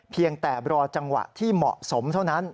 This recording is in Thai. เพียงแต่รอจังหวะที่เหมาะสมเท่านั้น